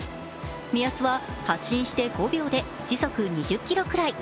目安は発進して５秒で時速２０キロくらい。